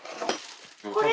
これ。